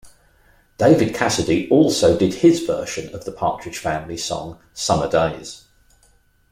David Cassidy also did his version of the Partridge Family song, "Summer Days".